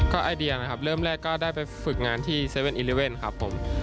ก็ไอเดียนะครับเริ่มแรกก็ได้ไปฝึกงานที่๗๑๑ครับผม